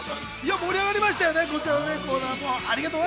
盛り上がりましたもんね。